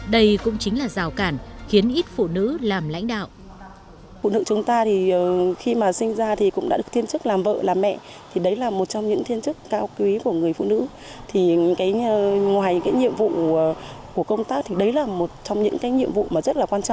đây cũng chính là rào cản khiến ít phụ nữ làm lãnh đạo